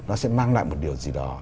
nó sẽ mang lại một điều gì đó